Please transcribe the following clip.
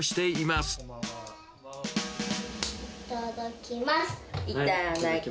いただきます。